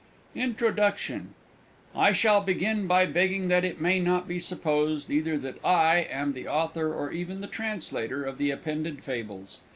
INTRODUCTION I shall begin by begging that it may not be supposed either that I am the Author or even the Translator of the appended fables!